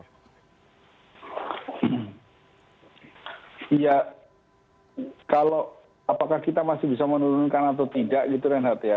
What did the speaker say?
ya kalau apakah kita masih bisa menurunkan atau tidak gitu renhardt ya